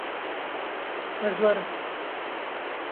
Ez werim